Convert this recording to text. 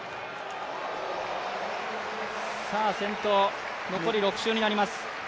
先頭、残り６周になりますあ。